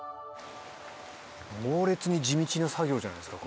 猛烈に地道な作業じゃないですか？